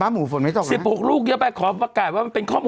โทษทีน้องโทษทีน้อง